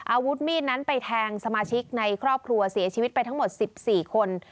อาวุธมีดนั้นไปแทงสมาชิกในครอบครัวเสียชีวิตไปทั้งหมด๑๔คน